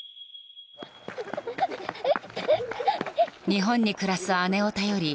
日本に暮らす姉を頼り